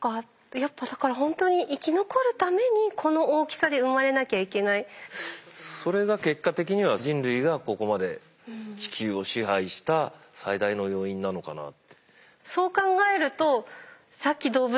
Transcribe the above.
やっぱだからほんとにそれが結果的には人類がここまで地球を支配した最大の要因なのかなって。